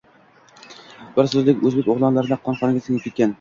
Bir so‘zlilik o‘zbek o‘g‘lonlari qon-qoniga singib ketgan.